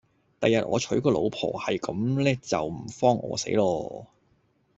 第日我娶個老婆係咁呢就唔慌餓死咯